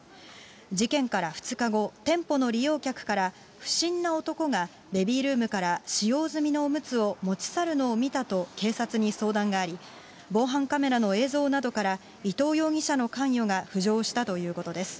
事件から２日後、店舗の利用客から不審な男がベビールームから使用済みのおむつを持ち去るのを見たと警察に相談があり、防犯カメラの映像などから伊藤容疑者の関与が浮上したということです。